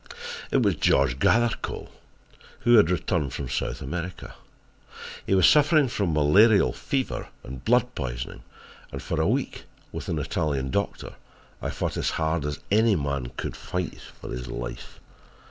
"It was George Gathercole, who had returned from South America. He was suffering from malarial fever and blood poisoning and for a week, with an Italian doctor, I fought as hard as any man could fight for his life.